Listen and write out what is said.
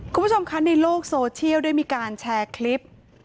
คุณผู้ชมคะในโลกโซเชียลได้มีการแชร์คลิป